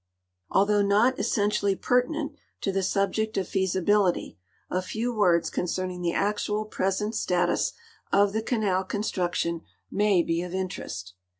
Although not essentially pertinent to the subject of feasibility, a few words concerning the actual present status of the canal con struction may he of interest.